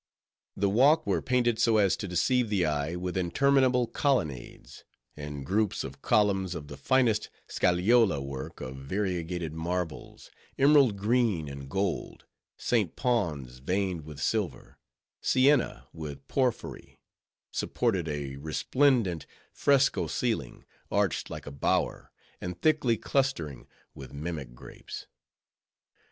The walls were painted so as to deceive the eye with interminable colonnades; and groups of columns of the finest Scagliola work of variegated marbles—emerald green and gold, St. Pons veined with silver, Sienna with porphyry—supported a resplendent fresco ceiling, arched like a bower, and thickly clustering with mimic grapes.